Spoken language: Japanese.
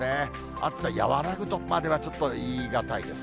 暑さ和らぐとまではちょっと言い難いです。